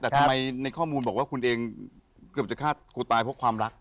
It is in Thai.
แต่ทำไมในข้อมูลบอกว่าคุณเองเกือบจะฆ่ากูตายเพราะความรัก